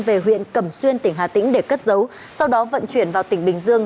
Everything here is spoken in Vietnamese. về huyện cẩm xuyên tỉnh hà tĩnh để cất giấu sau đó vận chuyển vào tỉnh bình dương